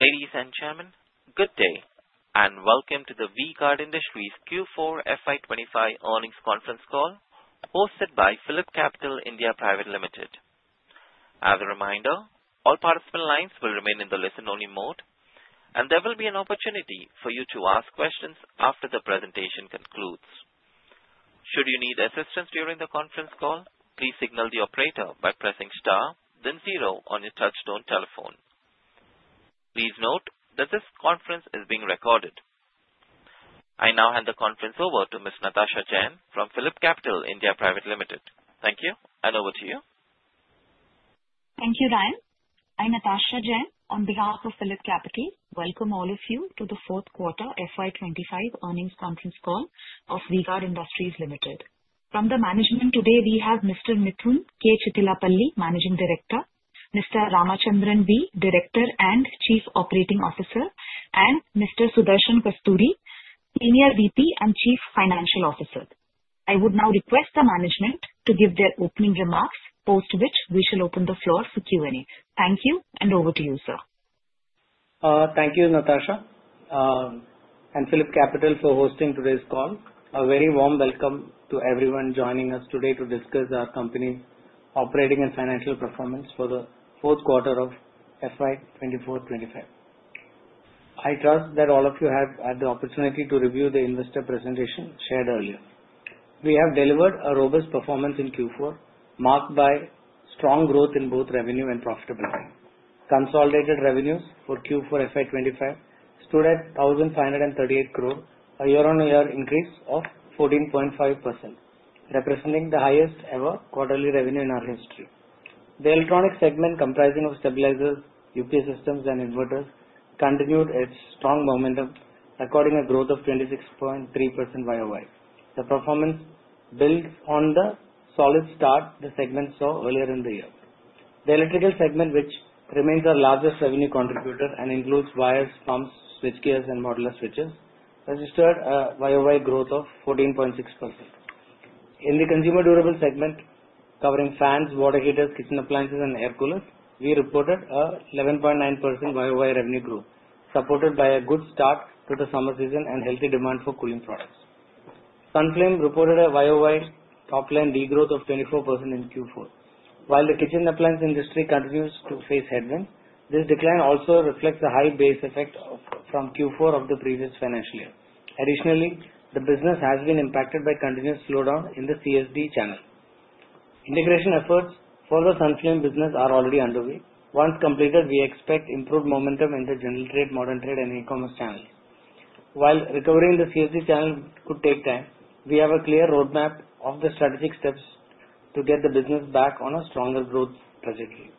Ladies and gentlemen, good day, and welcome to the V-Guard Industries Q4 FY 2025 Earnings Conference Call hosted by PhillipCapital (India) Private Limited. As a reminder, all participant lines will remain in the listen-only mode, and there will be an opportunity for you to ask questions after the presentation concludes. Should you need assistance during the conference call, please signal the operator by pressing star, then zero on your touch-tone telephone. Please note that this conference is being recorded. I now hand the conference over to Ms. Natasha Jain from PhillipCapital (India) Private Limited. Thank you, and over to you. Thank you, Ryan. I'm Natasha Jain. On behalf of PhillipCapital, welcome all of you to the Fourth Quarter FY 2025 Earnings Conference Call of V-Guard Industries Limited. From the management, today we have Mr. Mithun K. Chittilapalli, Managing Director, Mr. Ramachandran V., Director and Chief Operating Officer, and Mr. Sudarshan Kasturi, Senior VP and Chief Financial Officer. I would now request the management to give their opening remarks, post which we shall open the floor for Q&A. Thank you, and over to you, sir. Thank you, Natasha, and PhillipCapital for hosting today's call. A very warm welcome to everyone joining us today to discuss our company's operating and financial performance for the fourth quarter of FY 2024-2025. I trust that all of you have had the opportunity to review the investor presentation shared earlier. We have delivered a robust performance in Q4, marked by strong growth in both revenue and profitability. Consolidated revenues for Q4 FY 2025 stood at 1,538 crore, a year-on-year increase of 14.5%, representing the highest-ever quarterly revenue in our history. The electronic segment, comprising stabilizers, UPS systems, and inverters, continued its strong momentum, recording a growth of 26.3% YoY. The performance builds on the solid start the segment saw earlier in the year. The electrical segment, which remains our largest revenue contributor and includes wires, pumps, switchgears, and modular switches, registered a YoY growth of 14.6%. In the consumer durable segment, covering fans, water heaters, kitchen appliances, and air coolers, we reported an 11.9% YoY revenue growth, supported by a good start to the summer season and healthy demand for cooling products. Sunflame reported a YoY top-line growth of 24% in Q4. While the kitchen appliance industry continues to face headwinds, this decline also reflects a high base effect from Q4 of the previous financial year. Additionally, the business has been impacted by continuous slowdown in the CSD channel. Integration efforts for the Sunflame business are already underway. Once completed, we expect improved momentum in the general trade, modern trade, and E-Commerce channels. While recovering the CSD channel could take time, we have a clear roadmap of the strategic steps to get the business back on a stronger growth trajectory.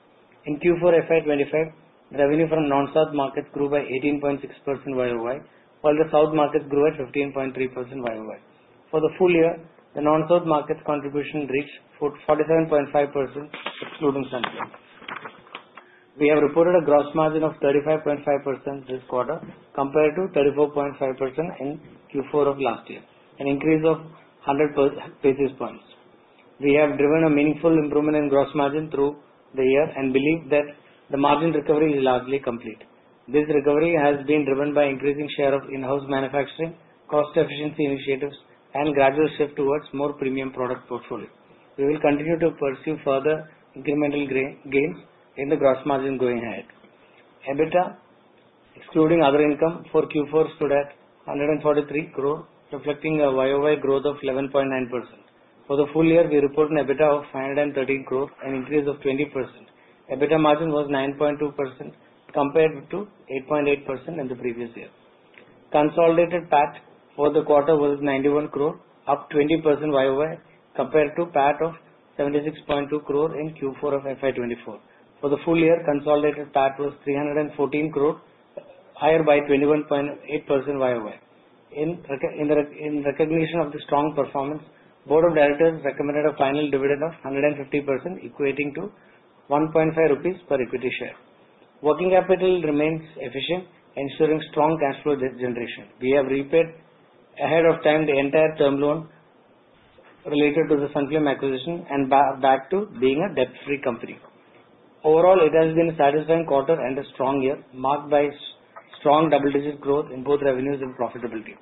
In Q4 FY 2025, revenue from Non-South markets grew by 18.6% YoY, while the South markets grew at 15.3% YoY. For the full year, the Non-South markets contribution reached 47.5%, excluding Sunflame. We have reported a gross margin of 35.5% this quarter, compared to 34.5% in Q4 of last year, an increase of 100 basis points. We have driven a meaningful improvement in gross margin through the year and believe that the margin recovery is largely complete. This recovery has been driven by an increasing share of in-house manufacturing, cost-efficiency initiatives, and a gradual shift towards a more premium product portfolio. We will continue to pursue further incremental gains in the gross margin going ahead. EBITDA, excluding other income for Q4, stood at 143 crore, reflecting a YoY growth of 11.9%. For the full year, we reported an EBITDA of 513 crore, an increase of 20%. EBITDA margin was 9.2%, compared to 8.8% in the previous year. Consolidated PAT for the quarter was 91 crore, up 20% YoY, compared to PAT of 76.2 crore in Q4 of FY 2024. For the full year, consolidated PAT was 314 crore, higher by 21.8% YoY. In recognition of the strong performance, the Board of Directors recommended a final dividend of 150% equating to 1.5 rupees per equity share. Working capital remains efficient, ensuring strong cash flow generation. We have repaid ahead of time the entire term loan related to the Sunflame acquisition and back to being a debt-free company. Overall, it has been a satisfying quarter and a strong year, marked by strong double-digit growth in both revenues and profitability.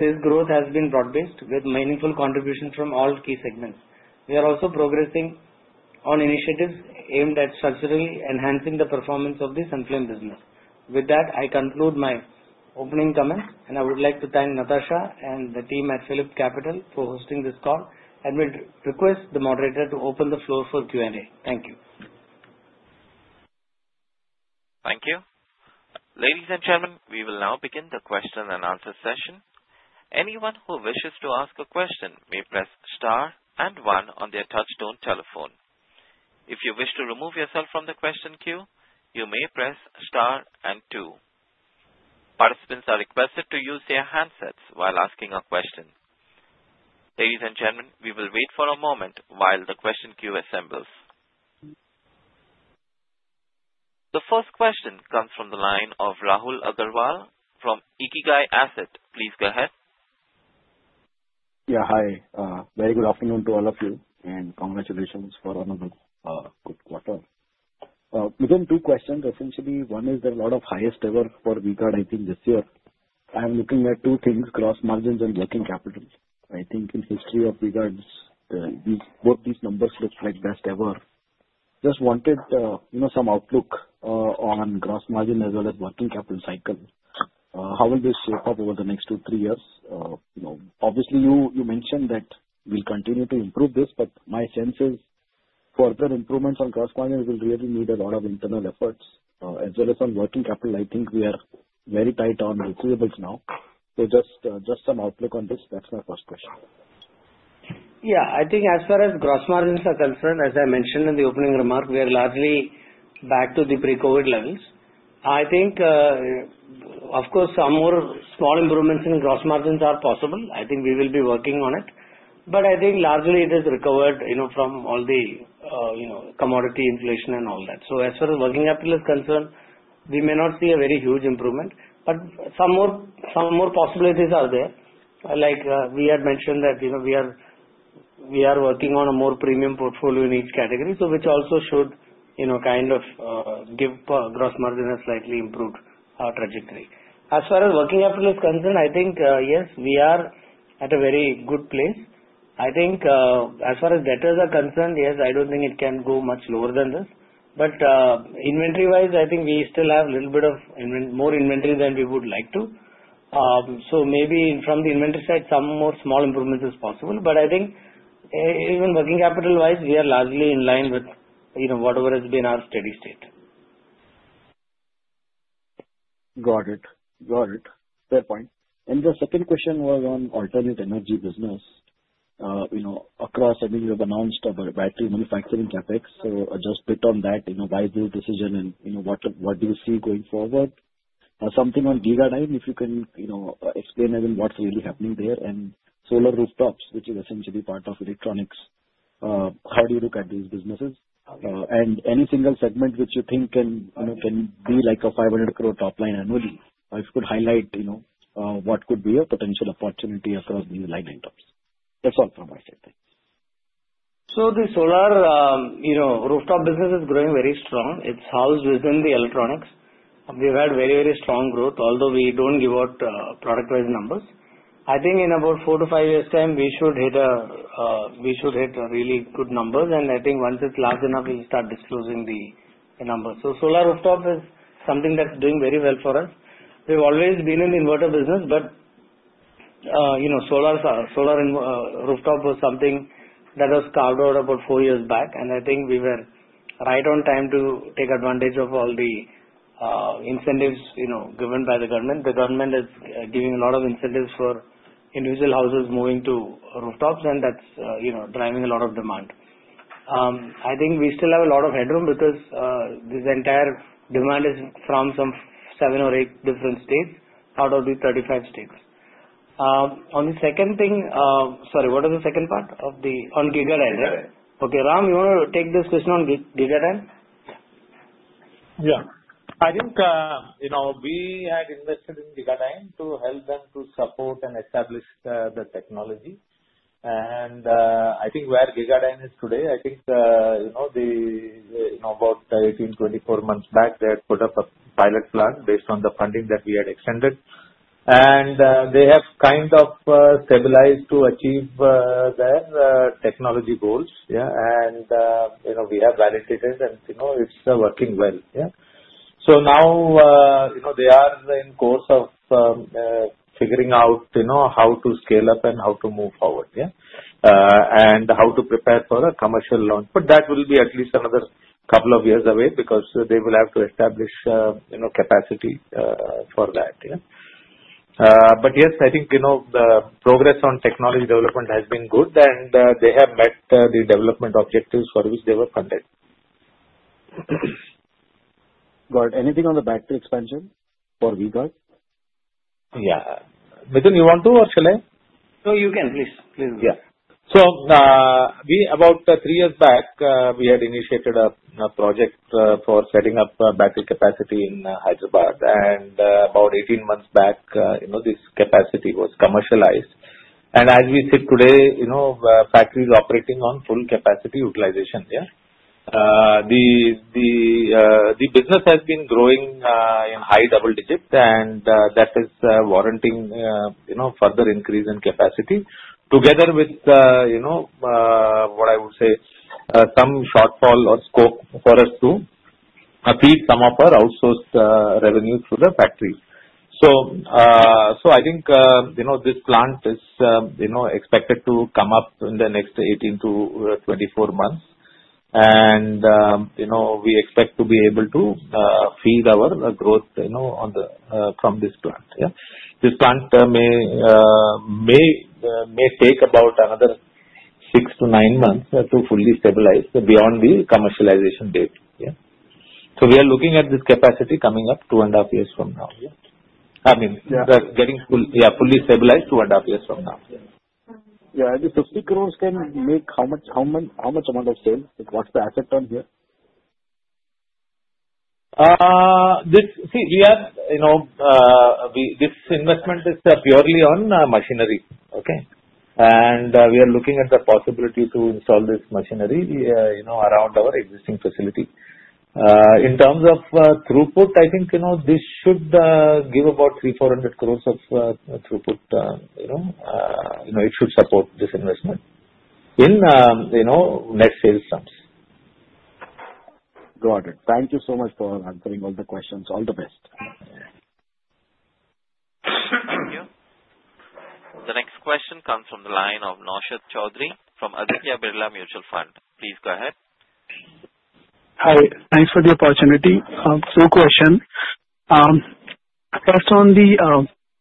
This growth has been broad-based, with meaningful contributions from all key segments. We are also progressing on initiatives aimed at structurally enhancing the performance of the Sunflame business. With that, I conclude my opening comments, and I would like to thank Natasha and the team at PhillipCapital for hosting this call, and we request the moderator to open the floor for Q&A. Thank you. Thank you. Ladies and gentlemen, we will now begin the question-and-answer session. Anyone who wishes to ask a question may press star and one on their touch-tone telephone. If you wish to remove yourself from the question queue, you may press star and two. Participants are requested to use their handsets while asking a question. Ladies and gentlemen, we will wait for a moment while the question queue assembles. The first question comes from the line of Rahul Agarwal from Ikigai Asset. Please go ahead. Yeah, hi. Very good afternoon to all of you, and congratulations for another good quarter. With two questions, essentially, one is the quarter of highest ever for V-Guard, I think, this year. I'm looking at two things: gross margins and working capital. I think in the history of V-Guard, both these numbers look like best ever. Just wanted some outlook on gross margin as well as working capital cycle. How will this shape up over the next two, three years? Obviously, you mentioned that we'll continue to improve this, but my sense is further improvements on gross margin will really need a lot of internal efforts. As well as on working capital, I think we are very tight on receivables now. So just some outlook on this. That's my first question. Yeah, I think as far as gross margins are concerned, as I mentioned in the opening remark, we are largely back to the pre-COVID levels. I think, of course, some more small improvements in gross margins are possible. I think we will be working on it. But I think largely it has recovered from all the commodity inflation and all that. So as far as working capital is concerned, we may not see a very huge improvement, but some more possibilities are there. Like we had mentioned that we are working on a more premium portfolio in each category, which also should kind of give gross margin a slightly improved trajectory. As far as working capital is concerned, I think, yes, we are at a very good place. I think as far as debtors are concerned, yes, I don't think it can go much lower than this. But inventory-wise, I think we still have a little bit more inventory than we would like to. So maybe from the inventory side, some more small improvements are possible. But I think even working capital-wise, we are largely in line with whatever has been our steady state. Got it. Got it. Fair point. And the second question was on alternative energy business across, I mean, you have announced a battery manufacturing CapEx. So just pick on that, why this decision, and what do you see going forward? Something on Gegadyne, if you can explain what's really happening there, and solar rooftops, which is essentially part of electronics. How do you look at these businesses? And any single segment which you think can be like a 500 crore top line annually, if you could highlight what could be a potential opportunity across these lines and tops. That's all from my side, thanks. So the solar rooftop business is growing very strong. It's housed within the electronics. We've had very, very strong growth, although we don't give out product-wise numbers. I think in about four to five years' time, we should hit really good numbers. And I think once it's large enough, we'll start disclosing the numbers. So solar rooftop is something that's doing very well for us. We've always been in the inverter business, but solar rooftop was something that was carved out about four years back. And I think we were right on time to take advantage of all the incentives given by the government. The government is giving a lot of incentives for individual houses moving to rooftops, and that's driving a lot of demand. I think we still have a lot of headroom because this entire demand is from some seven or eight different states out of the 35 states. On the second thing, sorry, what was the second part of the. On Gegadyne, right? Gegadyne. Okay, Ram, you want to take this question on Gegadyne? Yeah. I think we had invested in Gegadyne to help them to support and establish the technology. I think where Gegadyne is today, about 18-24 months back, they had put up a pilot plant based on the funding that we had extended. They have kind of stabilized to achieve their technology goals. We have validated, and it's working well. So now they are in the course of figuring out how to scale up and how to move forward and how to prepare for a commercial launch. That will be at least another couple of years away because they will have to establish capacity for that. Yes, I think the progress on technology development has been good, and they have met the development objectives for which they were funded. Got it. Anything on the battery expansion for V-Guard? Yeah. Mithun, you want to, or shall I? No, you can. Please, please. Yeah. So about three years back, we had initiated a project for setting up battery capacity in Hyderabad. And about 18 months back, this capacity was commercialized. And as we sit today, factories are operating on full capacity utilization. The business has been growing in high double digits, and that is warranting further increase in capacity. Together with what I would say, some shortfall or scope for us to feed some of our outsourced revenue through the factories. So I think this plant is expected to come up in the next 18-24 months. And we expect to be able to feed our growth from this plant. This plant may take about another six to nine months to fully stabilize beyond the commercialization date. So we are looking at this capacity coming up two and a half years from now. I mean, getting fully stabilized two and a half years from now. Yeah, the 50 crore can make how much amount of sales? What's the asset on here? See, we have this investment is purely on machinery. And we are looking at the possibility to install this machinery around our existing facility. In terms of throughput, I think this should give about 300-400 crores of throughput. It should support this investment in net sales terms. Got it. Thank you so much for answering all the questions. All the best. Thank you. The next question comes from the line of Naushad Chaudhary from Aditya Birla Mutual Fund. Please go ahead. Hi. Thanks for the opportunity. Two questions. First, on the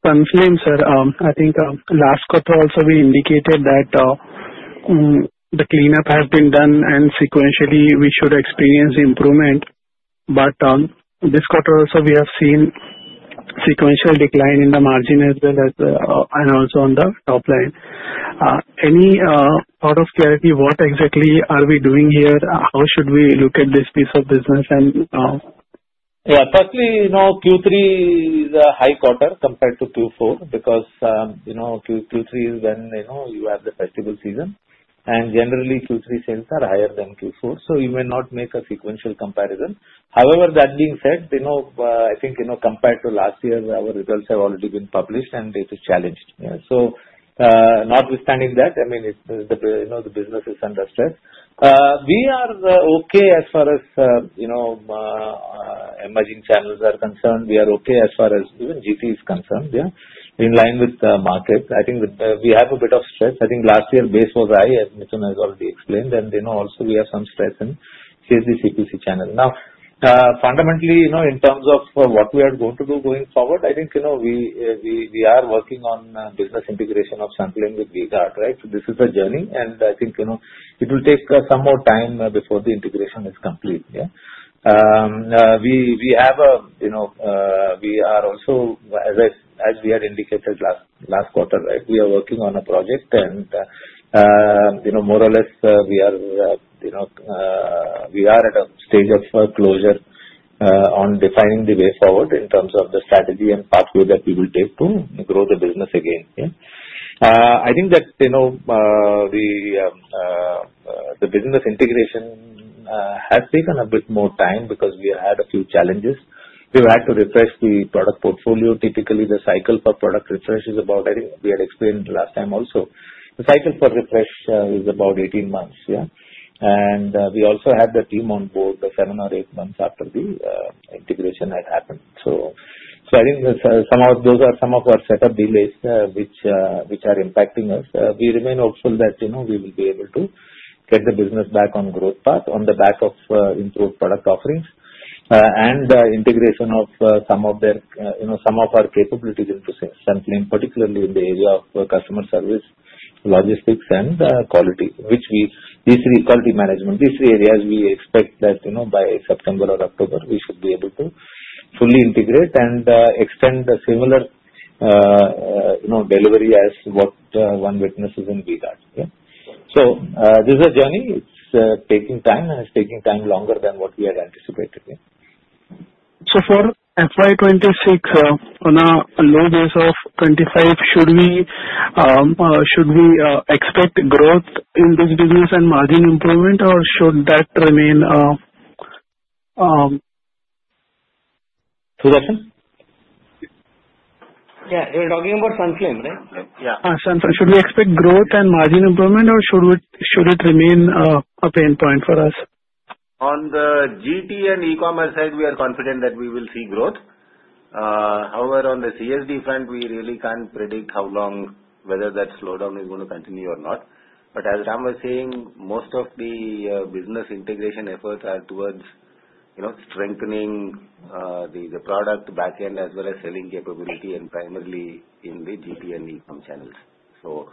Sunflame, sir, I think last quarter also we indicated that the cleanup has been done, and sequentially, we should experience improvement. But this quarter also, we have seen sequential decline in the margin as well as also on the top line. Any sort of clarity? What exactly are we doing here? How should we look at this piece of business? Yeah, firstly, Q3 is a high quarter compared to Q4 because Q3 is when you have the festival season. And generally, Q3 sales are higher than Q4, so you may not make a sequential comparison. However, that being said, I think compared to last year, our results have already been published, and it is challenged. So notwithstanding that, I mean, the business is under stress. We are okay as far as emerging channels are concerned. We are okay as far as even GT is concerned, in line with the market. I think we have a bit of stress. I think last year, base was high, as Mithun has already explained. And also, we have some stress in the CPC channel. Now, fundamentally, in terms of what we are going to do going forward, I think we are working on business integration of Sunflame with V-Guard, right? So this is a journey, and I think it will take some more time before the integration is complete. We are also, as we had indicated last quarter, right, working on a project. And more or less, we are at a stage of closure on defining the way forward in terms of the strategy and pathway that we will take to grow the business again. I think that the business integration has taken a bit more time because we had a few challenges. We've had to refresh the product portfolio. Typically, the cycle for product refresh is about. I think we had explained last time also, the cycle for refresh is about 18 months. And we also had the team on board seven or eight months after the integration had happened. So I think those are some of our setup delays which are impacting us. We remain hopeful that we will be able to get the business back on growth path on the back of improved product offerings and integration of some of our capabilities into Sunflame, particularly in the area of customer service, logistics, and quality. In these three areas, we expect that by September or October, we should be able to fully integrate and extend the similar delivery as what one witnesses in V-Guard. This is a journey. It's taking time and it's taking longer than what we had anticipated. For FY 2026, on a low base of 25, should we expect growth in this business and margin improvement, or should that remain? Two questions? Yeah. We're talking about Sunflame, right? Yeah. Should we expect growth and margin improvement, or should it remain a pain point for us? On the GT and E-Commerce side, we are confident that we will see growth. However, on the CSD front, we really can't predict how long whether that slowdown is going to continue or not. But as Ram was saying, most of the business integration efforts are towards strengthening the product backend as well as selling capability and primarily in the GT and e-com channels. So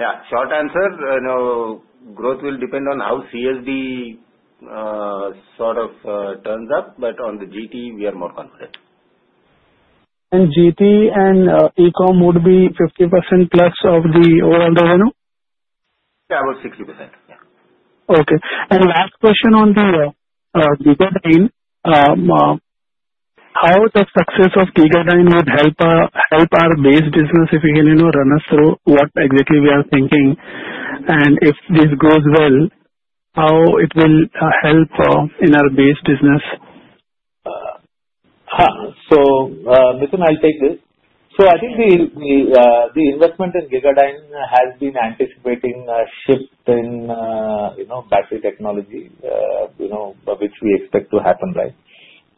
yeah, short answer, growth will depend on how CSD sort of turns up. But on the GT, we are more confident. GT and e-com would be 50% plus of the overall revenue? Yeah, about 60%. Yeah. Okay. And last question on the Gegadyne: how the success of Gegadyne would help our base business if we can run us through what exactly we are thinking, and if this goes well, how it will help in our base business? Mithun, I'll take this. I think the investment in Gegadyne has been anticipating a shift in battery technology, which we expect to happen, right?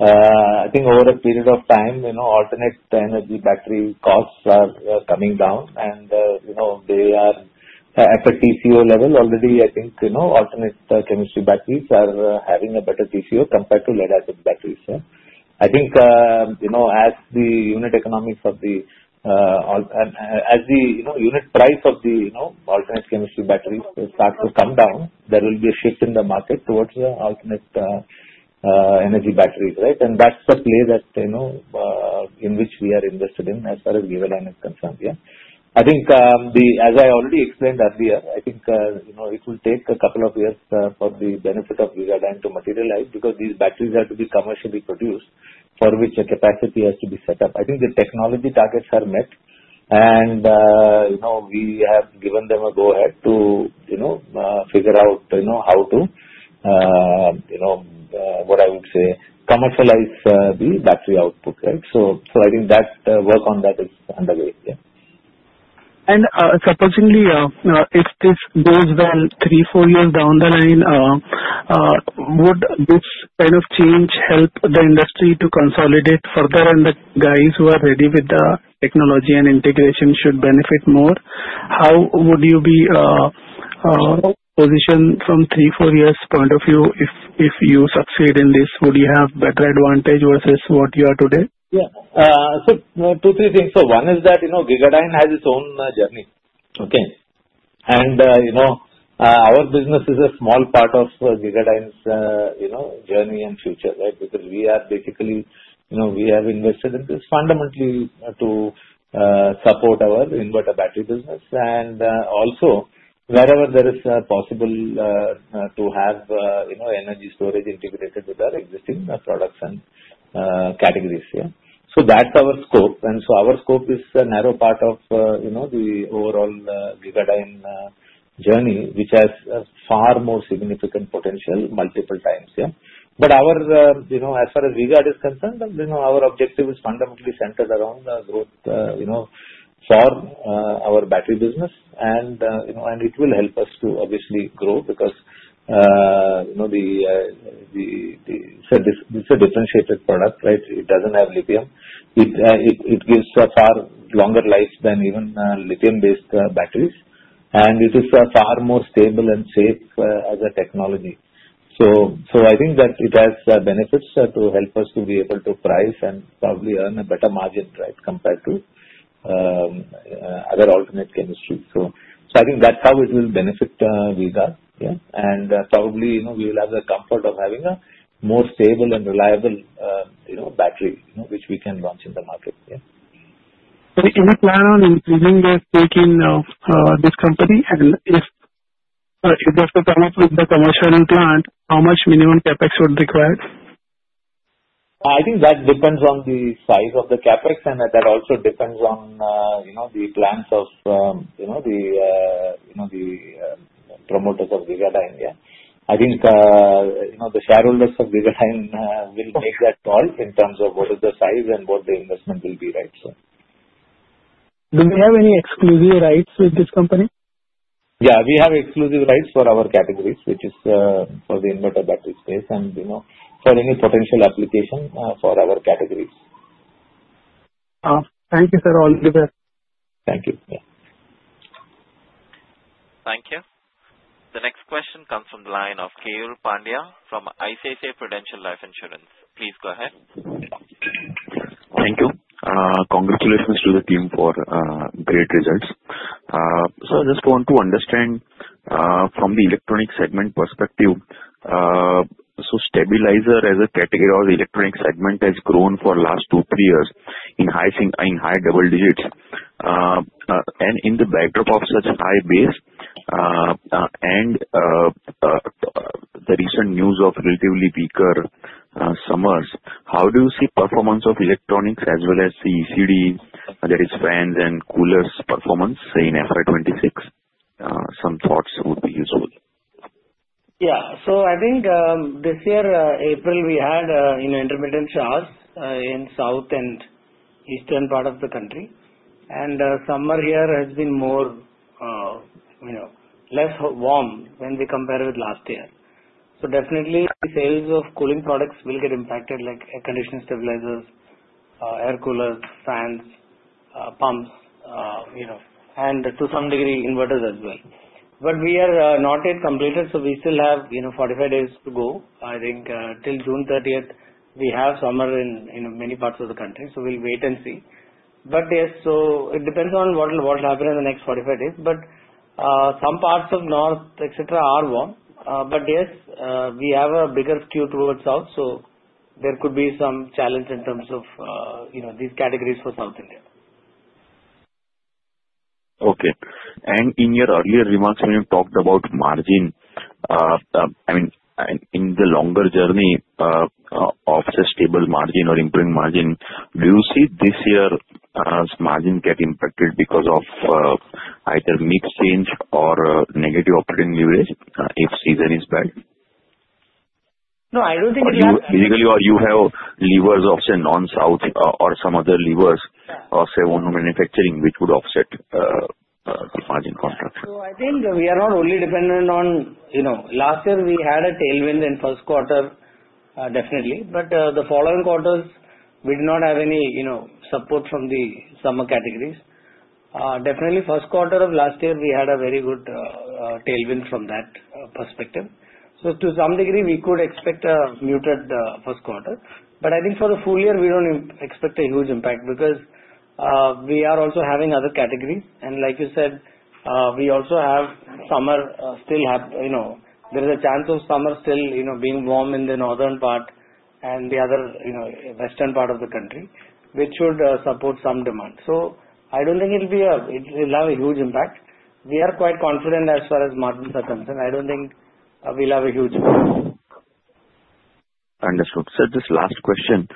I think over a period of time, alternate energy battery costs are coming down, and they are at the TCO level already. I think alternate chemistry batteries are having a better TCO compared to lead-acid batteries. I think as the unit price of the alternate chemistry batteries starts to come down, there will be a shift in the market towards the alternate energy batteries, right? That's the play that in which we are invested in as far as Gegadyne is concerned. I think, as I already explained earlier, I think it will take a couple of years for the benefit of Gegadyne to materialize because these batteries have to be commercially produced for which a capacity has to be set up. I think the technology targets are met, and we have given them a go-ahead to figure out how to, what I would say, commercialize the battery output, right? So I think that work on that is underway. Surprisingly, if this goes well three, four years down the line, would this kind of change help the industry to consolidate further? The guys who are ready with the technology and integration should benefit more. How would you be positioned from three, four years' point of view? If you succeed in this, would you have better advantage versus what you are today? Yeah. So two, three things. So one is that Gegadyne has its own journey, okay? And our business is a small part of Gegadyne's journey and future, right? Because we are basically we have invested in this fundamentally to support our inverter battery business. And also, wherever there is possible to have energy storage integrated with our existing products and categories, yeah? So that's our scope. And so our scope is a narrow part of the overall Gegadyne journey, which has far more significant potential multiple times, yeah? But as far as V-Guard is concerned, our objective is fundamentally centered around the growth for our battery business. And it will help us to obviously grow because it's a differentiated product, right? It doesn't have lithium. It gives a far longer life than even lithium-based batteries. And it is far more stable and safe as a technology. So I think that it has benefits to help us to be able to price and probably earn a better margin, right, compared to other alternate chemistry. So I think that's how it will benefit V-Guard, yeah? And probably we will have the comfort of having a more stable and reliable battery, which we can launch in the market, yeah? So do you plan on increasing the stake in this company? And if there's a problem with the commercial plant, how much minimum CapEx would require? I think that depends on the size of the CapEx, and that also depends on the plans of the promoters of V-Guard Industries. I think the shareholders of V-Guard will take that call in terms of what is the size and what the investment will be, right? Do they have any exclusive rights with this company? Yeah, we have exclusive rights for our categories, which is for the inverter battery space and for any potential application for our categories. Thank you, sir. All the best. Thank you. Thank you. The next question comes from the line of Keyur Pandya from ICICI Prudential Life Insurance. Please go ahead. Thank you. Congratulations to the team for great results. I just want to understand from the electronics segment perspective. Stabilizer as a category or electronics segment has grown for the last two, three years in high double digits. In the backdrop of such high base and the recent news of relatively weaker summers, how do you see performance of electronics as well as the ECD, that is, fans and coolers performance in FY 2026? Some thoughts would be useful. Yeah. So I think this year, April, we had intermittent showers in the South and East part of the country. And summer here has been less warm when we compare with last year. So definitely, sales of cooling products will get impacted, like air conditioning stabilizers, air coolers, fans, pumps, and to some degree, inverters as well. But we are not yet completed, so we still have 45 days to go. I think till June 30th, we have summer in many parts of the country. So we'll wait and see. But yes, so it depends on what will happen in the next 45 days. But some parts of North, etc., are warm. But yes, we have a bigger skew towards South. So there could be some challenge in terms of these categories for South India. Okay. And in your earlier remarks, when you talked about margin, I mean, in the longer journey of a stable margin or improving margin, do you see this year's margin getting impacted because of either mixed change or negative operating leverage if season is bad? No, I don't think it will happen. Basically, you have levers often in South or some other levers or, say, on manufacturing, which would offset the margin contraction. So I think we are not only dependent on last year. We had a tailwind in first quarter, definitely. But the following quarters, we did not have any support from the summer categories. Definitely, first quarter of last year, we had a very good tailwind from that perspective. So to some degree, we could expect a muted first quarter. But I think for the full year, we don't expect a huge impact because we are also having other categories. And like you said, we also have summer. Still, there is a chance of summer still being warm in the northern part and the other western part of the country, which should support some demand. So I don't think it will have a huge impact. We are quite confident as far as margins are concerned. I don't think we'll have a huge impact. Understood. So just last question.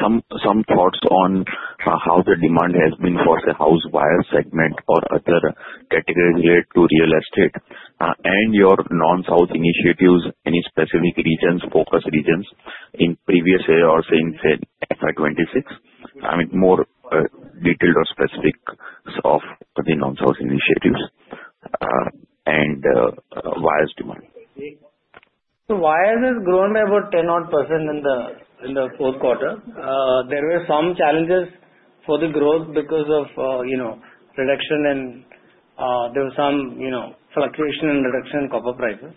Some thoughts on how the demand has been for the house wire segment or other categories related to real estate and your Non-South initiatives, any specific regions, focus regions in previous year or since FY 2026? I mean, more detailed or specifics of the Non-South initiatives and Wires demand? So wires have grown by about 10-odd% in the fourth quarter. There were some challenges for the growth because of reduction in copper prices. There were some fluctuation in copper prices.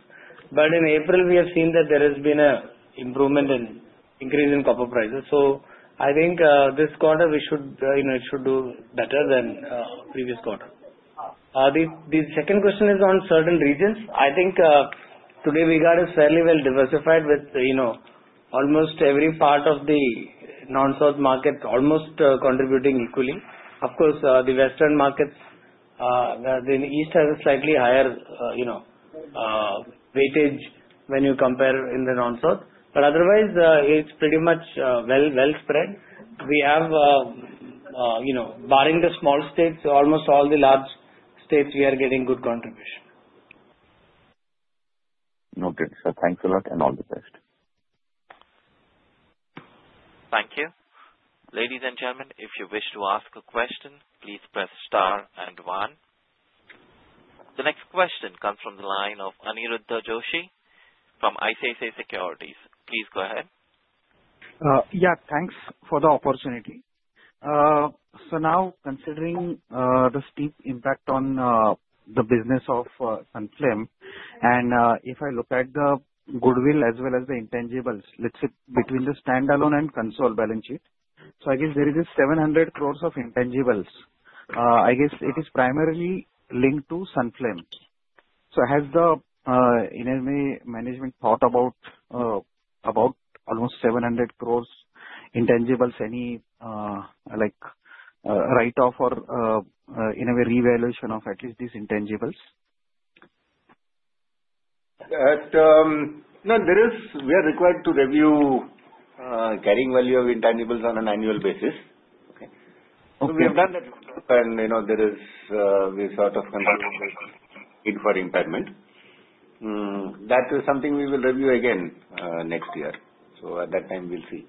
But in April, we have seen that there has been an increase in copper prices. So I think this quarter, we should do better than previous quarter. The second question is on certain regions. I think today, V-Guard is fairly well diversified with almost every part of the Non-South market almost contributing equally. Of course, the western markets, the east has a slightly higher weightage when you compare in the Non-South. But otherwise, it's pretty much well spread. We have, barring the small states, almost all the large states, we are getting good contribution. Okay, so thanks a lot and all the best. Thank you. Ladies and gentlemen, if you wish to ask a question, please press star and one. The next question comes from the line of Aniruddha Joshi from ICICI Securities. Please go ahead. Yeah, thanks for the opportunity. So now, considering the steep impact on the business of Sunflame, and if I look at the goodwill as well as the intangibles, let's say between the standalone and consolidated balance sheet, so I guess there is 700 crores of intangibles. I guess it is primarily linked to Sunflame. So has the management thought about almost 700 crores intangibles, any write-off or revaluation of at least these intangibles? No, we are required to review carrying value of intangibles on an annual basis. So we have done that. And there is a sort of need for impairment. That is something we will review again next year. So at that time, we'll see.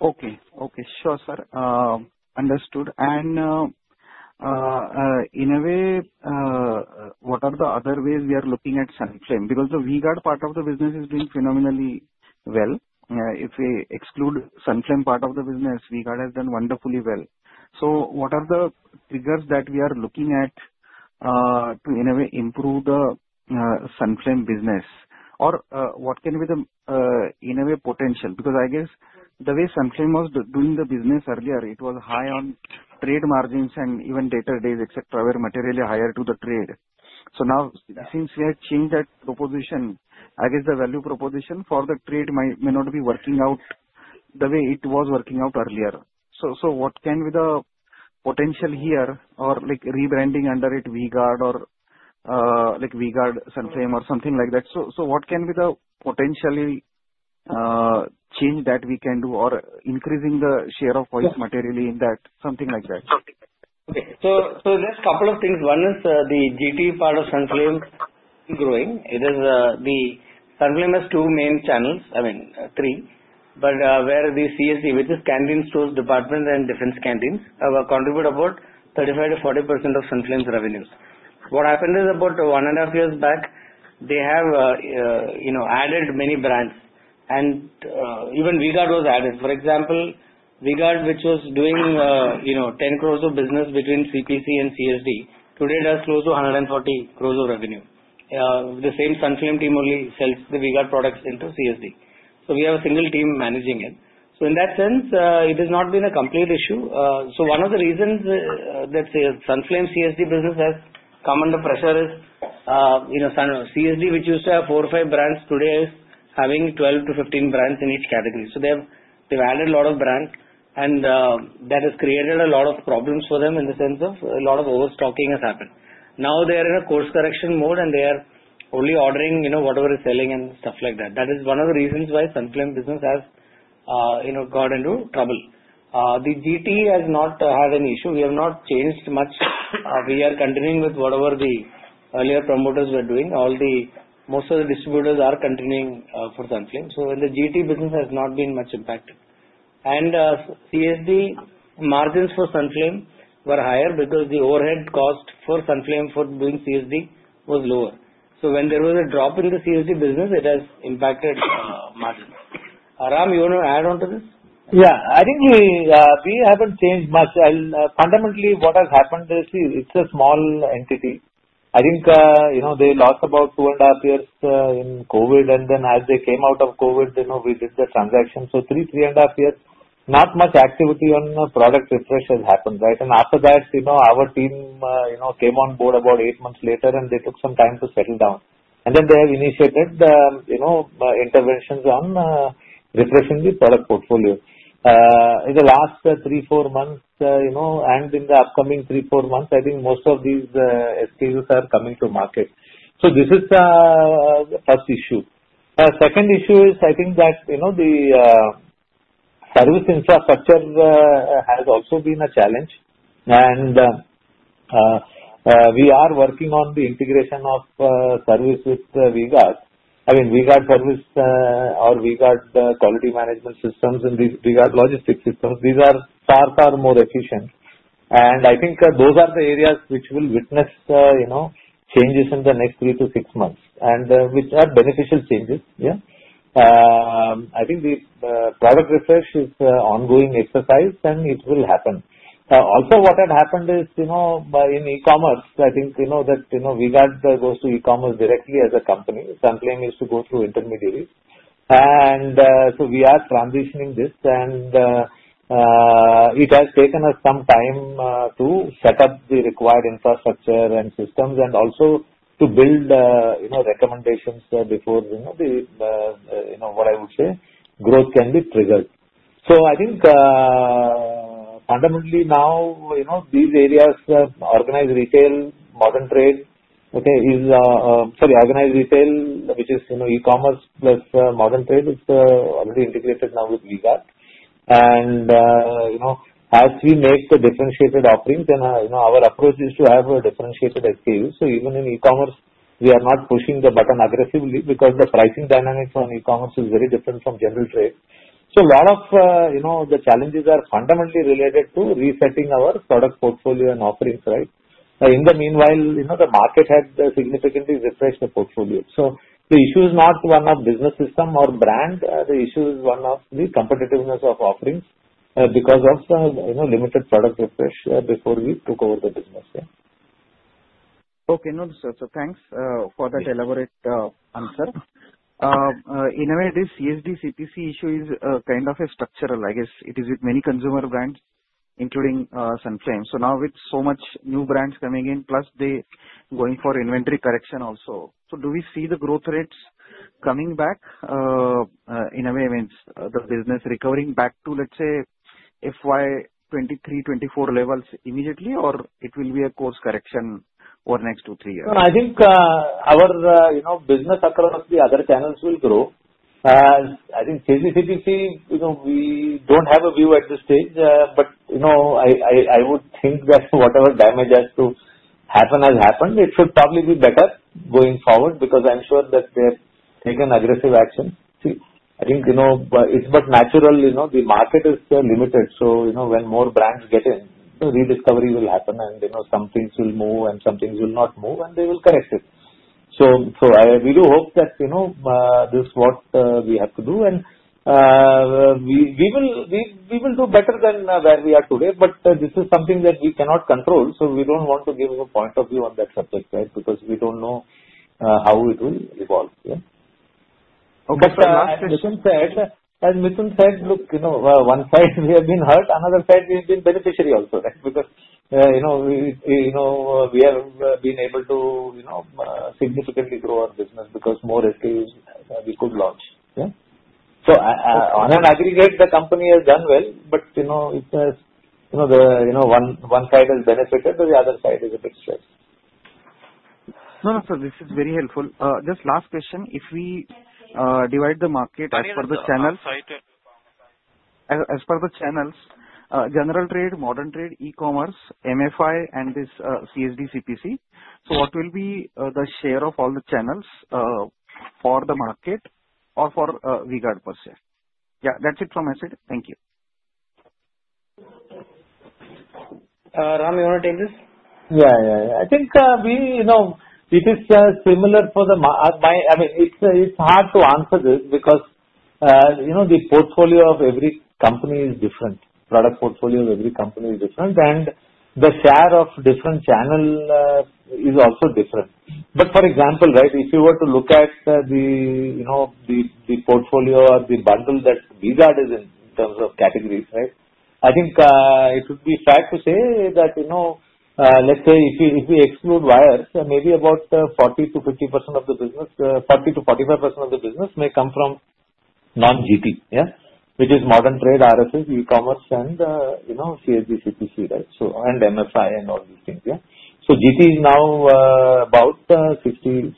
Okay. Okay. Sure, sir. Understood, and in a way, what are the other ways we are looking at Sunflame? Because the V-Guard part of the business is doing phenomenally well. If we exclude Sunflame part of the business, V-Guard has done wonderfully well, so what are the triggers that we are looking at to, in a way, improve the Sunflame business? Or what can be the, in a way, potential? Because I guess the way Sunflame was doing the business earlier, it was high on trade margins and even dead days, etc., where margins are higher to the trade, so now, since we have changed that proposition, I guess the value proposition for the trade may not be working out the way it was working out earlier, so what can be the potential here or rebranding under it, V-Guard or V-Guard Sunflame or something like that? So what can be the potential change that we can do or increasing the share of voice materially in that, something like that? Okay. So there's a couple of things. One is the GT part of Sunflame growing. Sunflame has two main channels, I mean, three, but where the CSD, which is Canteen Stores Department and Defense Canteens, contribute about 35%-40% of Sunflame's revenues. What happened is about one and a half years back, they have added many brands. And even V-Guard was added. For example, V-Guard, which was doing 10 crore of business between CPC and CSD, today does close to 140 crore of revenue. The same Sunflame team only sells the V-Guard products into CSD. So we have a single team managing it. So in that sense, it has not been a complete issue. So one of the reasons that Sunflame CSD business has come under pressure is CSD, which used to have four or five brands, today is having 12-15 brands in each category. So they've added a lot of brands, and that has created a lot of problems for them in the sense of a lot of overstocking has happened. Now they are in a course correction mode, and they are only ordering whatever is selling and stuff like that. That is one of the reasons why Sunflame business has got into trouble. The GT has not had any issue. We have not changed much. We are continuing with whatever the earlier promoters were doing. Most of the distributors are continuing for Sunflame. So the GT business has not been much impacted. And CSD margins for Sunflame were higher because the overhead cost for Sunflame for doing CSD was lower. So when there was a drop in the CSD business, it has impacted margins. Ram, you want to add on to this? Yeah. I think we haven't changed much. Fundamentally, what has happened is it's a small entity. I think they lost about two and a half years in COVID. And then as they came out of COVID, we did the transaction. So three, three and a half years, not much activity on product refresh has happened, right? And after that, our team came on board about eight months later, and they took some time to settle down. And then they have initiated the interventions on refreshing the product portfolio. In the last three, four months, and in the upcoming three, four months, I think most of these SKUs are coming to market. So this is the first issue. Second issue is I think that the service infrastructure has also been a challenge. And we are working on the integration of service with V-Guard. I mean, V-Guard service or V-Guard quality management systems and V-Guard logistics systems, these are far, far more efficient, and I think those are the areas which will witness changes in the next three to six months, which are beneficial changes. I think the product refresh is an ongoing exercise, and it will happen. Also, what had happened is in E-Commerce, I think that V-Guard goes to E-Commerce directly as a company. Sunflame used to go through intermediaries, and so we are transitioning this. And it has taken us some time to set up the required infrastructure and systems and also to build recommendations before what I would say growth can be triggered. So I think fundamentally now, these areas, organized retail, modern trade, okay, sorry, organized retail, which is E-Commerce plus modern trade, is already integrated now with V-Guard. As we make the differentiated offerings, then our approach is to have a differentiated SKU. So even in E-Commerce, we are not pushing the button aggressively because the pricing dynamics on E-Commerce is very different from general trade. So a lot of the challenges are fundamentally related to resetting our product portfolio and offerings, right? In the meanwhile, the market had significantly refreshed the portfolio. So the issue is not one of business system or brand. The issue is one of the competitiveness of offerings because of limited product refresh before we took over the business. Okay. No, sir. So thanks for that elaborate answer. In a way, this CSD, CPC issue is kind of structural. I guess it is with many consumer brands, including Sunflame. So now with so much new brands coming in, plus they are going for inventory correction also. So do we see the growth rates coming back in a way, means the business recovering back to, let's say, FY 2023, 2024 levels immediately, or it will be a course correction over the next two, three years? I think our business across the other channels will grow. I think CSD, CPC, we don't have a view at this stage. But I would think that whatever damage has to happen has happened. It should probably be better going forward because I'm sure that they have taken aggressive action. I think it's but natural. The market is limited. So when more brands get in, rediscovery will happen, and some things will move, and some things will not move, and they will correct it. So we do hope that this is what we have to do. And we will do better than where we are today. But this is something that we cannot control. So we don't want to give a point of view on that subject, right, because we don't know how it will evolve. Okay. So. But as Mithun said, look, one side we have been hurt. Another side, we have been beneficiary also, right, because we have been able to significantly grow our business because more SKUs we could launch. So on an aggregate, the company has done well. But if one side has benefited, the other side is a bit stressed. No, no, sir. This is very helpful. Just last question. If we divide the market as per the channels, as per the channels, General Trade, Modern Trade, E-commerce, MFI, and this CSD, CPC, so what will be the share of all the channels for the market or for V-Guard per se? Yeah. That's it from my side. Thank you. Ram, you want to take this? Yeah, yeah, yeah. I think it is similar for the. I mean, it's hard to answer this because the portfolio of every company is different. Product portfolio of every company is different. And the share of different channels is also different. But for example, right, if you were to look at the portfolio or the bundle that V-Guard is in terms of categories, right, I think it would be fair to say that, let's say, if we exclude wires, maybe about 40%-50% of the business, 40%-45% of the business may come from non-GT, yeah, which is modern trade, RSS, E-Commerce, and CSD, CPC, right, and MFI and all these things. So GT is now about 55%-60%,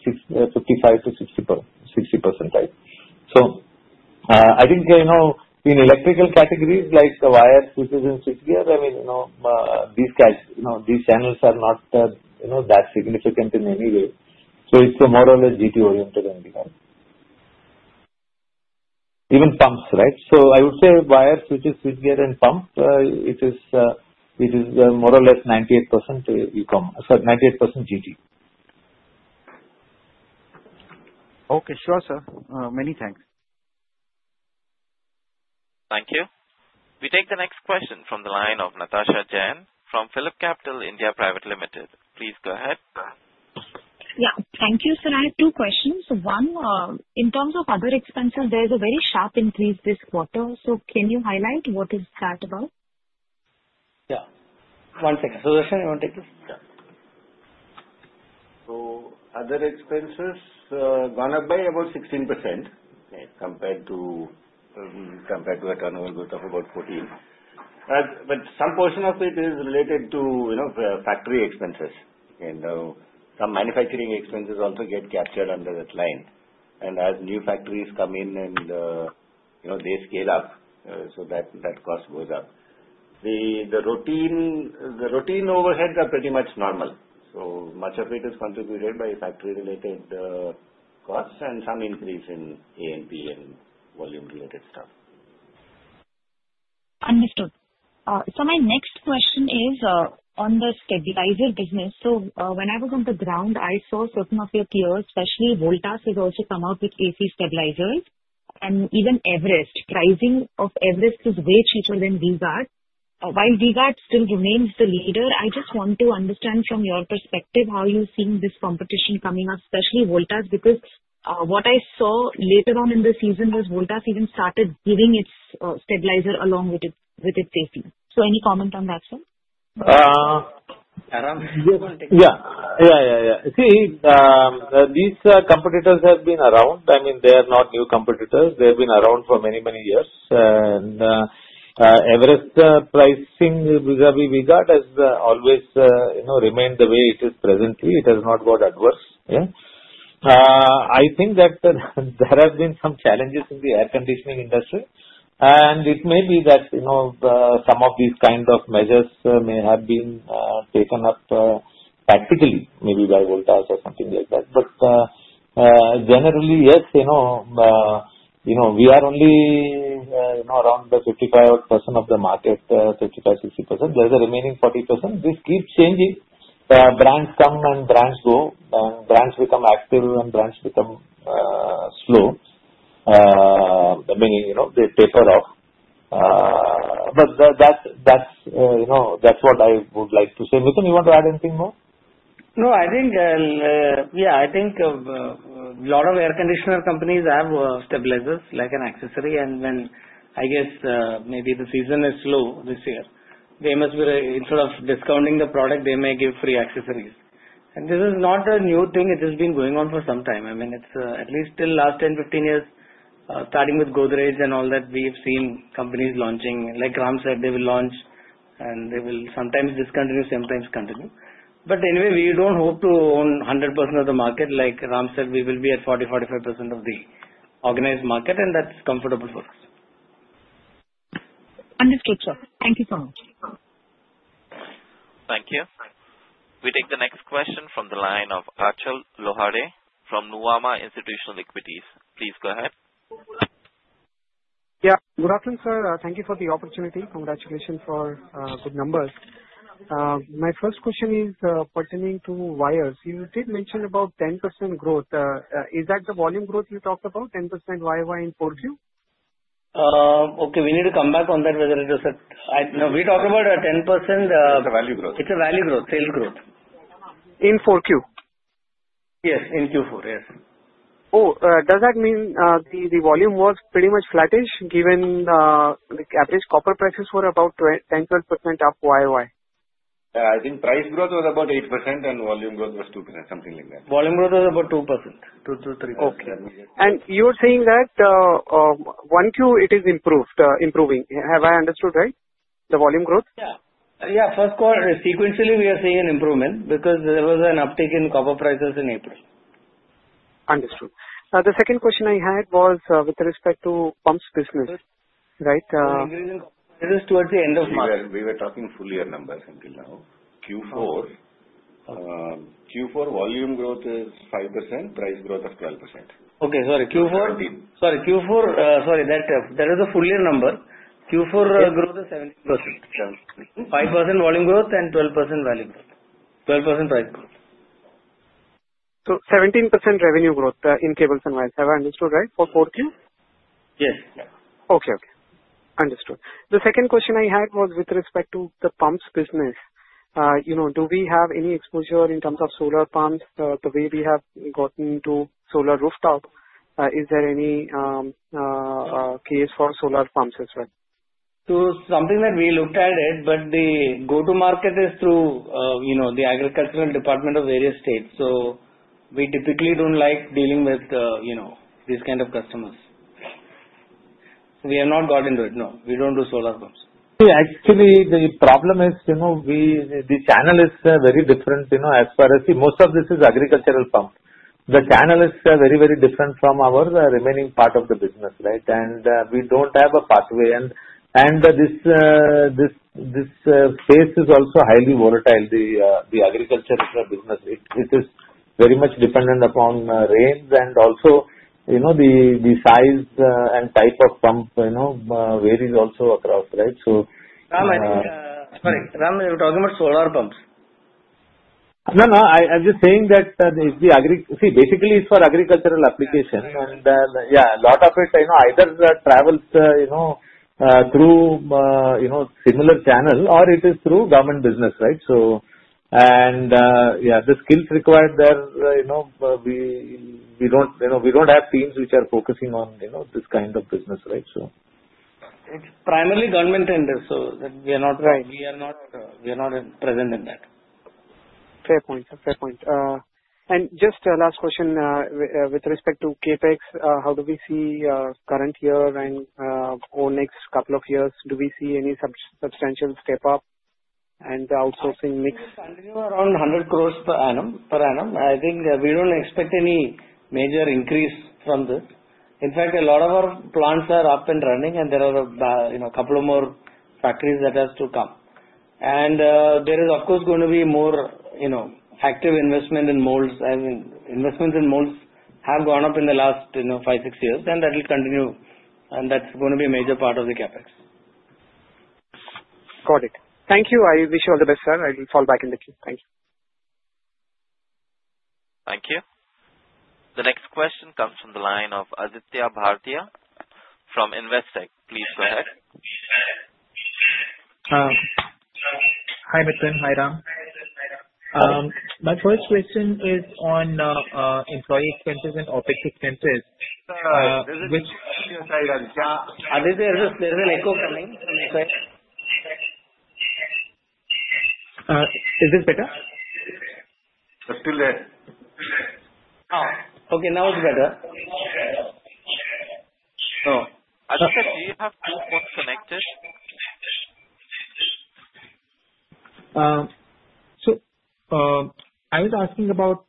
right? So I think in electrical categories like wires, switches, and switchgear, I mean, these channels are not that significant in any way. So it's more or less GT-oriented and V-Guard. Even pumps, right? So I would say wires, switches, switchgear, and pump, it is more or less 98% GT. Okay. Sure, sir. Many thanks. Thank you. We take the next question from the line of Natasha Jain from PhillipCapital India Private Limited. Please go ahead. Yeah. Thank you, sir. I have two questions. One, in terms of other expenses, there is a very sharp increase this quarter. So can you highlight what is that about? Yeah. One second, so Sudarshan, you want to take this? Yeah. So other expenses, one of them is about 16% compared to a turnover growth of about 14%. But some portion of it is related to factory expenses. Some manufacturing expenses also get captured under that line. And as new factories come in and they scale up, so that cost goes up. The routine overheads are pretty much normal. So much of it is contributed by factory-related costs and some increase in A&P and volume-related stuff. Understood. So my next question is on the stabilizer business. So when I was on the ground, I saw certain of your peers, especially Voltas, has also come out with AC stabilizers. And even Everest, pricing of Everest is way cheaper than V-Guard. While V-Guard still remains the leader, I just want to understand from your perspective how you're seeing this competition coming up, especially Voltas, because what I saw later on in the season was Voltas even started giving its stabilizer along with its AC. So any comment on that, sir? Ram? Yes. Yeah. Yeah, yeah, yeah. See, these competitors have been around. I mean, they are not new competitors. They have been around for many, many years. And Everest pricing vis-à-vis V-Guard has always remained the way it is presently. It has not got adverse. Yeah. I think that there have been some challenges in the air conditioning industry. And it may be that some of these kind of measures may have been taken up practically, maybe by Voltas or something like that. But generally, yes, we are only around the 55% of the market, 55%-60%. There's the remaining 40%. This keeps changing. Brands come and brands go, and brands become active and brands become slow. I mean, they taper off. But that's what I would like to say. Mithun, you want to add anything more? No, I think, yeah, I think a lot of air conditioner companies have stabilizers like an accessory. And when I guess maybe the season is slow this year, they must be instead of discounting the product, they may give free accessories. And this is not a new thing. It has been going on for some time. I mean, at least till last 10-15 years, starting with Godrej and all that, we have seen companies launching. Like Ram said, they will launch, and they will sometimes discontinue, sometimes continue. But anyway, we don't hope to own 100% of the market. Like Ram said, we will be at 40-45% of the organized market, and that's comfortable for us. Understood, sir. Thank you so much. Thank you. We take the next question from the line of Achal Lohade from Nuvama Institutional Equities. Please go ahead. Yeah. Good afternoon, sir. Thank you for the opportunity. Congratulations for good numbers. My first question is pertaining to wires. You did mention about 10% growth. Is that the volume growth you talked about, 10% YoY in 4Q? Okay. We need to come back on that, whether it was a—no, we talked about a 10%. It's a value growth. It's a value growth, sales growth. In 4Q? Yes, in Q4, yes. Oh, does that mean the volume was pretty much flattish given the average copper prices were about 10%-12% up YY? I think price growth was about 8%, and volume growth was 2%, something like that. Volume growth was about 2%-3%. Okay. You're saying that one Q it is improving, have I understood right, the volume growth? Yeah. First quarter, sequentially, we are seeing an improvement because there was an uptick in copper prices in April. Understood. The second question I had was with respect to pumps business, right? We're increasing copper business towards the end of March. We were talking full year numbers until now. Q4, Q4 volume growth is 5%, price growth of 12%. That was a full year number. Q4 growth is 17%. 5% volume growth and 12% value growth, 12% price growth. 17% revenue growth in cables and wires, have I understood right, for 4Q? Yes. Okay. Okay. Understood. The second question I had was with respect to the pumps business. Do we have any exposure in terms of solar pumps? The way we have gotten to solar rooftop, is there any case for solar pumps as well? So, something that we looked at it, but the go-to-market is through the agricultural department of various states. So we typically don't like dealing with these kind of customers. So we have not got into it, no. We don't do solar pumps. See, actually, the problem is the channel is very different as far as most of this is agricultural pump. The channel is very, very different from our remaining part of the business, right? And we don't have a pathway. And this space is also highly volatile. The agricultural business, it is very much dependent upon rains. And also, the size and type of pump varies also across, right? So. Ram, I think, sorry, Ram, you were talking about solar pumps. No, no. I'm just saying that. See, basically, it's for agricultural application. And yeah, a lot of it either travels through similar channels or it is through government business, right? And yeah, the skills required there, we don't have teams which are focusing on this kind of business, right? So. It's primarily government tenders, so we are not present in that. Fair point. Fair point. And just last question with respect to Capex, how do we see current year and over the next couple of years, do we see any substantial step-up and outsourcing mix? We continue around 100 crores per annum. I think we don't expect any major increase from this. In fact, a lot of our plants are up and running, and there are a couple more factories that have to come. And there is, of course, going to be more active investment in molds. I mean, investments in molds have gone up in the last five, six years, and that will continue. And that's going to be a major part of the CapEx. Got it. Thank you. I wish you all the best, sir. I will call back in the Q. Thank you. Thank you. The next question comes from the line of Aditya Bhartia from Investec. Please go ahead. Hi, Mithun. Hi, Ram. My first question is on employee expenses and OpEx expenses. Aditya, there's an echo coming. Sorry. Is this better? Still there. Okay. Now it's better. No. Aditya, do you have two phones connected? So I was asking about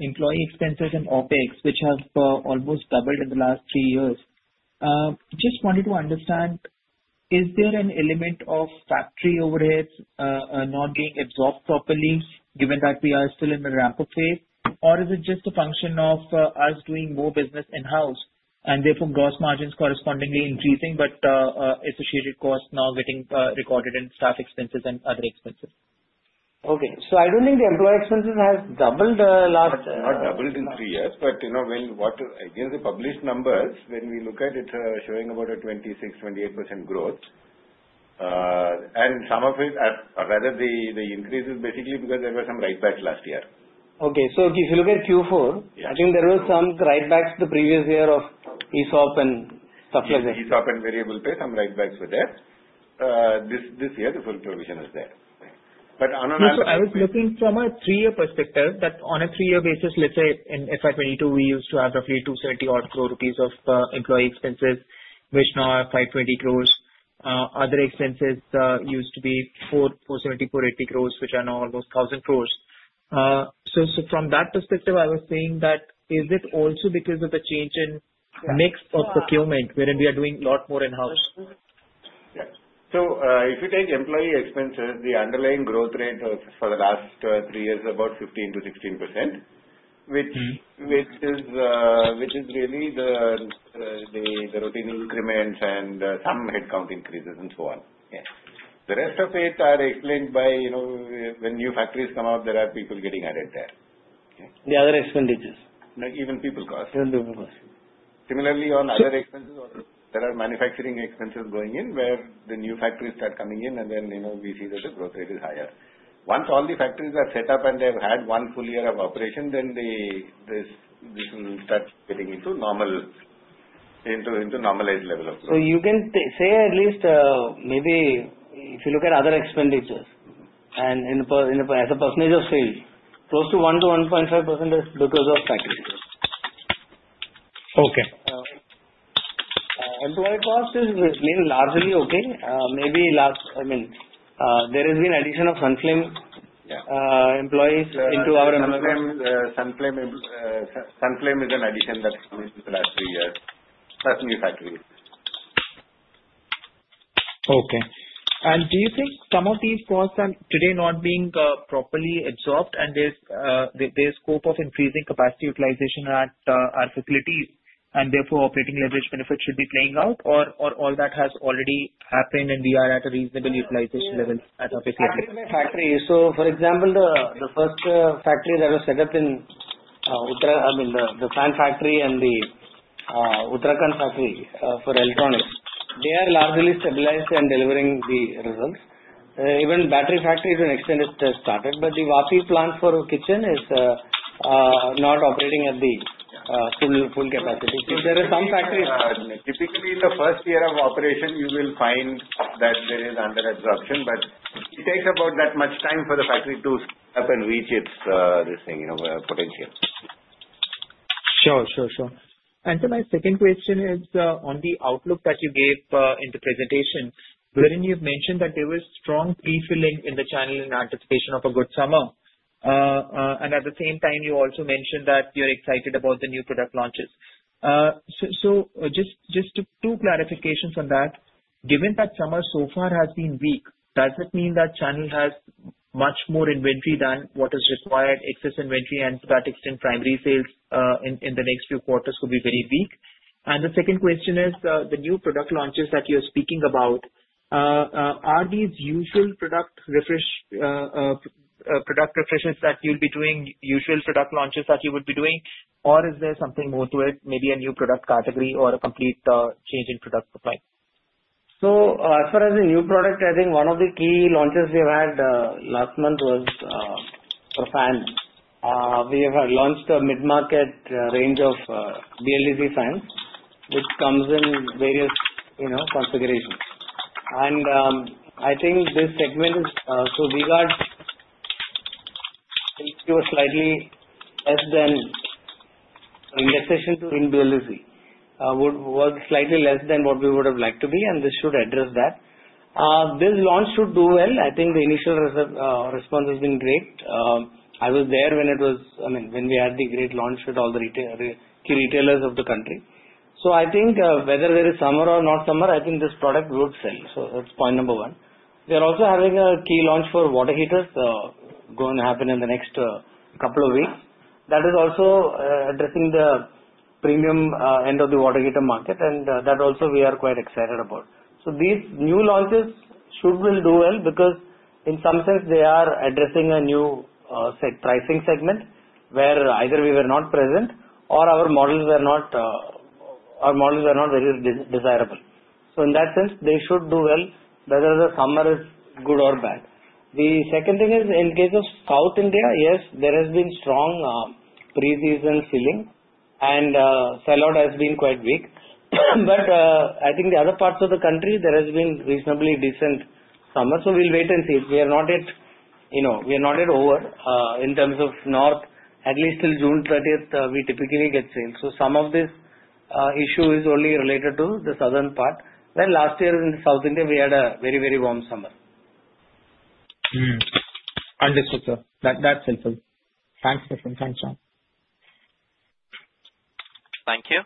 employee expenses and OpEx, which have almost doubled in the last three years. Just wanted to understand, is there an element of factory overheads not being absorbed properly given that we are still in the ramp-up phase? Or is it just a function of us doing more business in-house and therefore gross margins correspondingly increasing, but associated costs not getting recorded in staff expenses and other expenses? Okay, so I don't think the employee expenses have doubled last. Not doubled in three years, but again, the published numbers, when we look at it, are showing about a 26%-28% growth. And some of it, rather, the increase is basically because there were some write-backs last year. Okay. So if you look at Q4, I think there were some write-backs the previous year of ESOP and variable pay. ESOP and variable pay, some write-backs were there. This year, the full provision is there. But on an average. So I was looking from a three-year perspective that on a three-year basis, let's say in FY 2022, we used to have roughly 270-odd crore rupees of employee expenses, which now are 520 crore. Other expenses used to be 470-480 crore, which are now almost 1,000 crore. So from that perspective, I was saying that is it also because of the change in mix of procurement, wherein we are doing a lot more in-house? Yes. So if you take employee expenses, the underlying growth rate for the last three years is about 15%-16%, which is really the routine increments and some headcount increases and so on. Yeah. The rest of it is explained by when new factories come out, there are people getting added there. The other expenditures? Even people cost. Even people cost. Similarly, on other expenses, there are manufacturing expenses going in where the new factories start coming in, and then we see that the growth rate is higher. Once all the factories are set up and they've had one full year of operation, then this will start getting into normalized level of growth. You can say at least maybe if you look at other expenditures and as a percentage of sales, close to 1-1.5% is because of factories. Okay. Employee cost is largely okay. Maybe last, I mean, there has been an addition of Sunflame employees into our employees. Sunflame is an addition that's come in the last three years plus new factories. Okay. And do you think some of these costs are today not being properly absorbed and there's scope of increasing capacity utilization at facilities and therefore operating leverage benefits should be playing out, or all that has already happened and we are at a reasonable utilization level at our facility? Factories, so for example, the first factory that was set up in, I mean, the fan factory and the Uttarakhand factory for electronics, they are largely stabilized and delivering the results. Even battery factories when extended started, but the Vapi plant for kitchen is not operating at the full capacity, so there are some factories. Typically, in the first year of operation, you will find that there is under absorption, but it takes about that much time for the factory to stand up and reach its potential. Sure. So my second question is on the outlook that you gave in the presentation, wherein you've mentioned that there was strong prefilling in the channel in anticipation of a good summer. And at the same time, you also mentioned that you're excited about the new product launches. Just two clarifications on that. Given that summer so far has been weak, does it mean that channel has much more inventory than what is required, excess inventory, and to that extent, primary sales in the next few quarters could be very weak? And the second question is the new product launches that you're speaking about, are these usual product refreshes that you'll be doing, usual product launches that you would be doing, or is there something more to it, maybe a new product category or a complete change in product supply? So as far as the new product, I think one of the key launches we have had last month was for fans. We have launched a mid-market range of BLDC fans, which comes in various configurations. And I think this segment, as regards, it was slightly less than penetration in BLDC, was slightly less than what we would have liked to be, and this should address that. This launch should do well. I think the initial response has been great. I was there when it was, I mean, when we had the great launch with all the key retailers of the country. So I think whether there is summer or not summer, I think this product would sell. So that's point number one. We are also having a key launch for water heaters going to happen in the next couple of weeks. That is also addressing the premium end of the water heater market, and that also we are quite excited about. So these new launches should do well because in some sense, they are addressing a new pricing segment where either we were not present or our models were not very desirable. So in that sense, they should do well, whether the summer is good or bad. The second thing is in case of South India, yes, there has been strong pre-season filling, and sell-out has been quite weak. But I think the other parts of the country, there has been reasonably decent summer. So we'll wait and see. We are not yet over in terms of North, at least till June 30th, we typically get sales. So some of this issue is only related to the southern part. Last year in South India, we had a very, very warm summer. Understood, sir. That's helpful. Thanks, Mithun. Thanks, Ram. Thank you.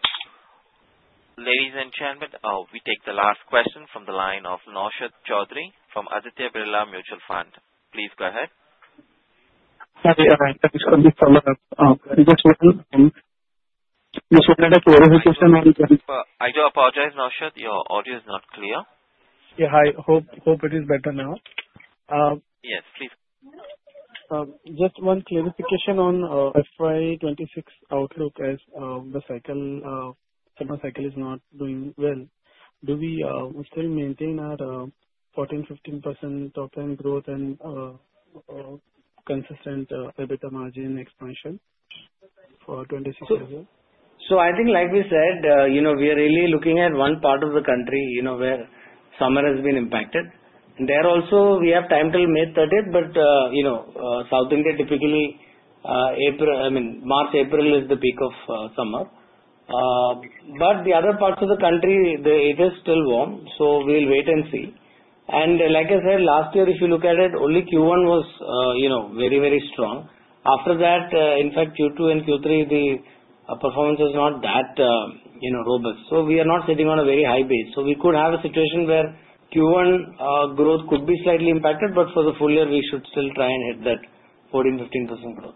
Ladies and gentlemen, we take the last question from the line of Naushad Chaudhary from Aditya Birla Mutual Fund. Please go ahead. Sorry, I just wanted a clarification on. I do apologize, Naushad. Your audio is not clear. Yeah. Hi. Hope it is better now. Yes. Please. Just one clarification on FY 2026 outlook as the summer cycle is not doing well. Do we still maintain our 14%-15% top-line growth and consistent EBITDA margin expansion for FY 2026? So, I think, like we said, we are really looking at one part of the country where summer has been impacted. And there also, we have time till May 30th, but South India typically, I mean, March, April is the peak of summer. But the other parts of the country, the heat is still warm. So we'll wait and see. And like I said, last year, if you look at it, only Q1 was very, very strong. After that, in fact, Q2 and Q3, the performance was not that robust. So we are not sitting on a very high base. So we could have a situation where Q1 growth could be slightly impacted, but for the full year, we should still try and hit that 14%-15% growth.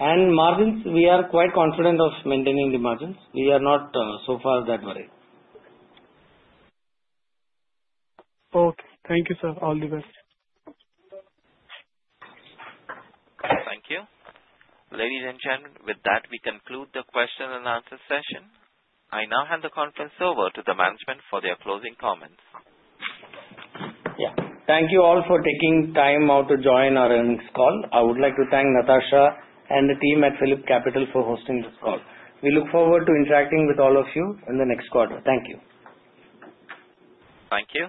And margins, we are quite confident of maintaining the margins. We are not so far that worried. Okay. Thank you, sir. All the best. Thank you. Ladies and gentlemen, with that, we conclude the question and answer session. I now hand the conference over to the management for their closing comments. Yeah. Thank you all for taking time out to join our earnings call. I would like to thank Natasha and the team at PhillipCapital for hosting this call. We look forward to interacting with all of you in the next quarter. Thank you. Thank you.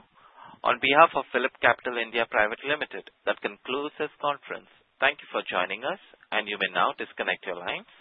On behalf of PhillipCapital (India) Private Limited, that concludes this conference. Thank you for joining us, and you may now disconnect your lines.